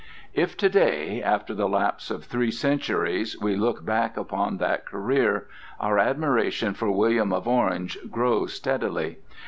If to day, after the lapse of three centuries, we look back upon that career, our admiration for William of Orange grows steadily.